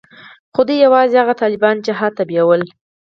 خو دوى يوازې هغه طالبان جهاد ته بيول.